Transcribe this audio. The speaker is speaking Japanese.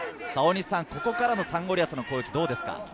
ここからのサンゴリアスの攻撃、どうですか？